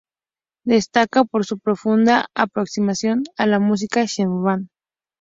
Destaca por su profunda aproximación a la música de Schumann.